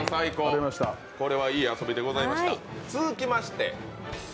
これはいい遊びでございました。